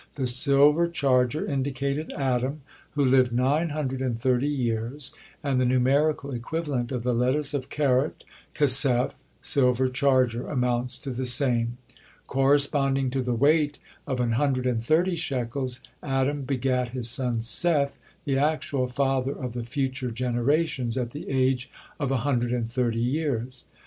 The silver charger indicated Adam, who lived nine hundred and thirty years, and the numerical equivalent of the letters of Kaarat Kesef, "silver charger," amounts to the same. Corresponding to the weight of "an hundred and thirty shekels," Adam begat his son Seth, the actual father of the future generations, at the age of a hundred and thirty years.